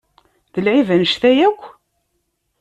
D lɛib annect-a yakk?